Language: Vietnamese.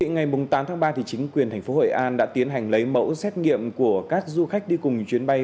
ngày tám tháng ba chính quyền thành phố hội an đã tiến hành lấy mẫu xét nghiệm của các du khách đi cùng chuyến bay